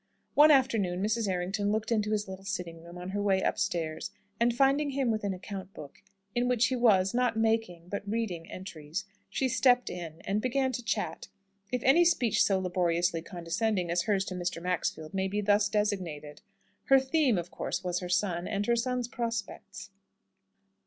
One afternoon, Mrs. Errington looked into his little sitting room, on her way upstairs, and finding him with an account book, in which he was, not making, but reading entries, she stepped in, and began to chat; if any speech so laboriously condescending as hers to Mr. Maxfield may be thus designated. Her theme, of course, was her son, and her son's prospects.